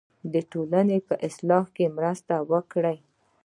د ټولنې په اصلاح کې مرسته وکړئ.